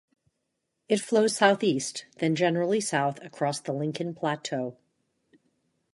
It flows southeast, then generally south across the Lincoln Plateau.